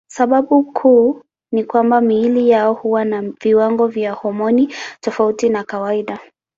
Sababu kuu ni kwamba miili yao huwa na viwango vya homoni tofauti na kawaida.